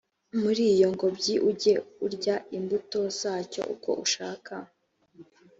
muri iyo ngobyi ujye urya imbuto zacyo uko ushaka